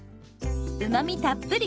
うまみたっぷり！